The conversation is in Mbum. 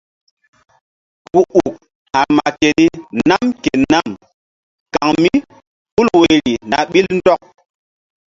Ku uk ha̧rma keni nam ke nam kan mí hul woyri na ɓil ndɔk.